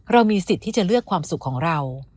เรามีสิทธิ์ที่จะเลือกความสุขของเรา